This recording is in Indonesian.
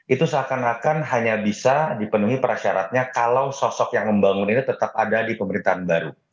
itu seakan akan hanya bisa dipenuhi persyaratnya kalau sosok yang membangun ini tetap ada di pemerintahan baru